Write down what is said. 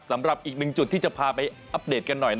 สำหรับอีกหนึ่งจุดที่จะพาไปอัปเดตกันหน่อย